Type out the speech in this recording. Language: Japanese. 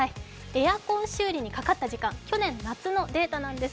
エアコン修理にかかった時間、去年夏のデータです。